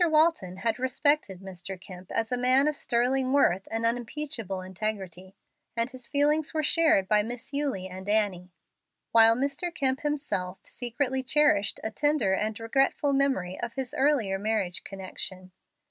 Walton had respected Mr. Kemp as a man of sterling worth and unimpeachable integrity, and his feelings were shared by Miss Eulie and Annie, while Mr. Kemp himself secretly cherished a tender and regretful memory of his earlier marriage connection.